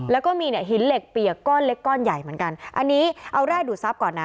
แล้วก็มีเนี่ยหินเหล็กเปียกก้อนเล็กก้อนใหญ่เหมือนกันอันนี้เอาแร่ดูดทรัพย์ก่อนนะ